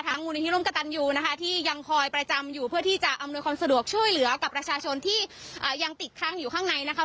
มูลนิธิร่วมกระตันยูนะคะที่ยังคอยประจำอยู่เพื่อที่จะอำนวยความสะดวกช่วยเหลือกับประชาชนที่ยังติดค้างอยู่ข้างในนะคะ